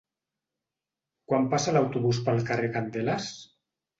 Quan passa l'autobús pel carrer Candeles?